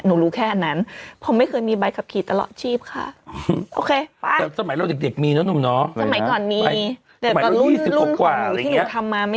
หนูรู้แค่อันนั้นผมไม่เคยมีใบขับขี่ตลอดชีพค่ะ